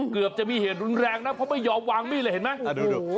เกือบจะมีเหตุรุนแรงนะเพราะไม่ยอมวางมีดเลยเห็นไหม